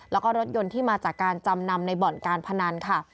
แล้วก็รถยนต์ที่มาจากการจำนำในบ่อนการพนันค่ะ